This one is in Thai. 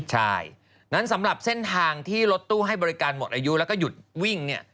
ใช่นั้นสำหรับเส้นทางที่รถตู้ให้บริการหมดอายุแล้วก็หยุดวิ่งเนี่ย